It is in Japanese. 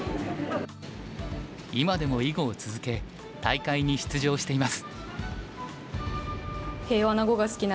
今でも囲碁を続け大会に出場しています。